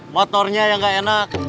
motornya yang gak enak